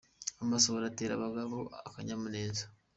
Amasohoro atera abagore akanyamuneza